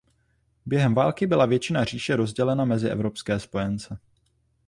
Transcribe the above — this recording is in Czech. Během války byla většina říše rozdělena mezi evropské spojence.